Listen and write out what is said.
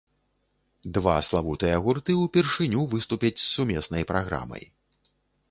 Два славутыя гурты ўпершыню выступяць з сумеснай праграмай.